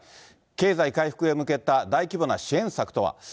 経済回復へ向けた大規模な支援策とは。